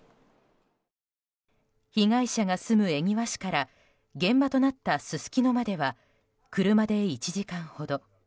被害者が住む恵庭市から現場となったすすきのまでは車で１時間ほど。